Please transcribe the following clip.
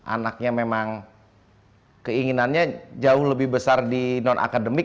anaknya memang keinginannya jauh lebih besar di non akademik